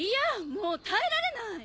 もう耐えられない！！